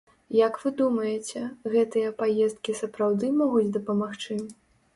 Як вы думаеце, гэтыя паездкі сапраўды могуць дапамагчы?